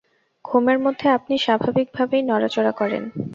ঘুমের মধ্যে আপনি স্বাভাবিকভাবেই নড়াচড়া করেন।